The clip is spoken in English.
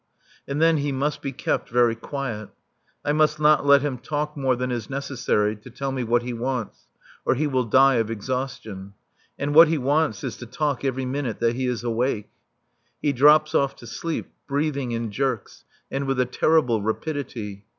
And then he must be kept very quiet. I must not let him talk more than is necessary to tell me what he wants, or he will die of exhaustion. And what he wants is to talk every minute that he is awake. He drops off to sleep, breathing in jerks and with a terrible rapidity.